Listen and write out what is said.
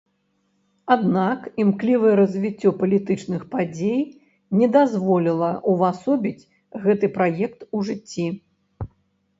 Аднак імклівае развіццё палітычных падзей не дазволіла увасобіць гэты праект у жыцці.